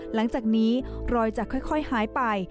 หลังจากนี้รอยจะค่อยหายไป